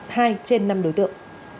hai trên năm đối tượng